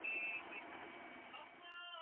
wa vitu vya kikaboni kwani kuna mashapo mengi